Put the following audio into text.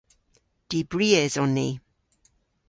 Dibries on ni.